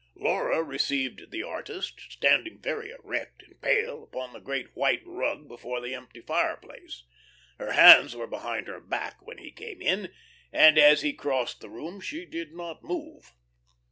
Laura received the artist, standing very erect and pale upon the great white rug before the empty fireplace. Her hands were behind her back when he came in, and as he crossed the room she did not move.